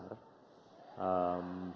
negara negara penghasil pangan besar